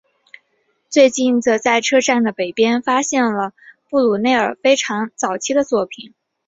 最近则在车站的北边发现了布鲁内尔非常早期的作品。